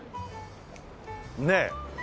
ねえ。